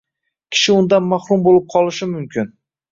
Kishi undan mahrum bo‘lib qolishi mumkin.